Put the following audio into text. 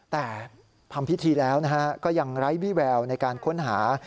แต่ทำพิธีแล้วก็ยังไร้วิแววในการค้นหา